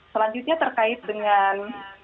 selanjutnya terkait dengan